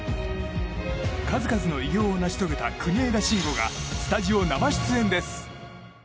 数々の偉業を成し遂げた国枝慎吾がスタジオ生出演です。